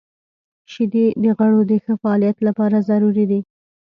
• شیدې د غړو د ښه فعالیت لپاره ضروري دي.